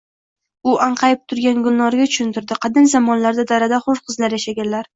U anqayib turgan Gulnoraga tushuntirdi: qadim zamonlarda darada hur qizlar yashaganlar.